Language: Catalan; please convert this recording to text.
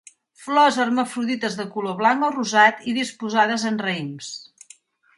Flors hermafrodites de color blanc o rosat i disposades en raïms.